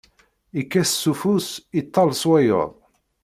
Ikkat s ufus, ittall s wayeḍ.